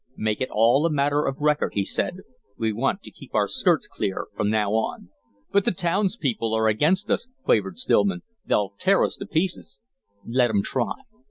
"Make it all a matter of record," he said. "We want to keep our skirts clear from now on." "But the towns people are against us," quavered Stillman. "They'll tear us to pieces." "Let 'em try.